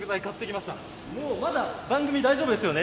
まだ番組、大丈夫ですよね。